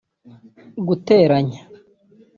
guteranya